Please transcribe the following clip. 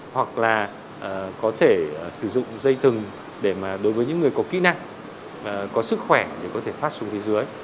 hoặc là có thể sử dụng dây thừng để đối với những người có kỹ năng có sức khỏe có thể thoát xuống phía dưới